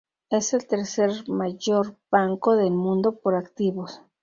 Es el tercer mayor banco del mundo por activos.